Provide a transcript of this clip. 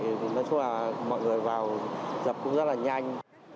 thì nói chung là mọi người vào dập cũng rất là nhanh